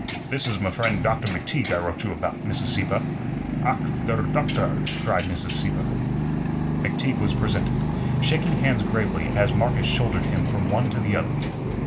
"This is m' friend Doctor McTeague I wrote you about, Mrs. Sieppe." "Ach, der doktor," cried Mrs. Sieppe. McTeague was presented, shaking hands gravely as Marcus shouldered him from one to the other.